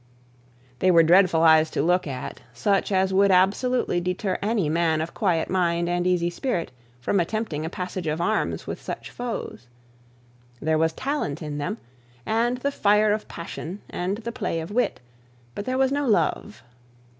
They were dreadful eyes to look at, such as would absolutely deter any man of quiet mind and easy spirit from attempting a passage of arms with such foes. There was talent in them, and the fire of passion and the play of wit, but there was no love.